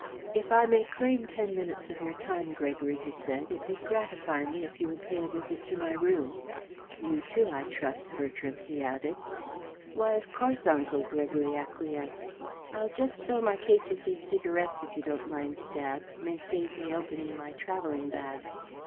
"If I may claim ten minutes of your time, Gregory," he said, "it would gratify me if you would pay a visit to my room. You too, I trust, Bertram," he added. "Why, of course, Uncle," Gregory acquiesced. "I'll just fill my case with these cigarettes, if you don't mind, Dad. May save me opening my travelling bag."